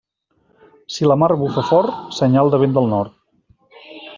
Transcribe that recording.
Si la mar bufa fort, senyal de vent del nord.